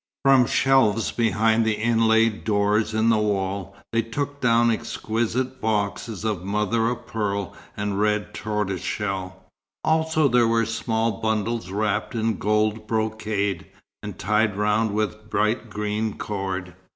From shelves behind the inlaid doors in the wall, they took down exquisite boxes of mother o' pearl and red tortoiseshell. Also there were small bundles wrapped in gold brocade, and tied round with bright green cord.